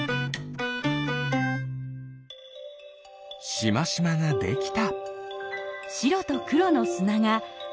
しましまができた。